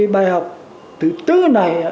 bài học thứ tư này